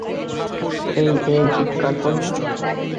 এই, এই, চিৎকার করো না।